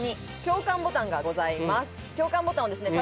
共感ボタンをですね